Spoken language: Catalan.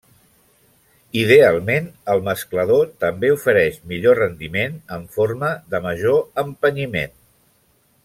Idealment, el mesclador també ofereix millor rendiment en forma de major empenyiment.